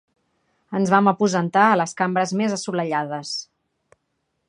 Ens vam aposentar a les cambres més assolellades.